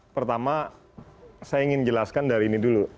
pertama saya ingin jelaskan dari ini dulu